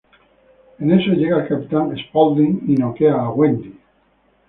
En eso llega el capitán Spaulding y noquea a Wendy.